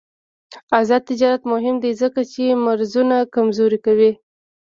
آزاد تجارت مهم دی ځکه چې مرزونه کمزوري کوي.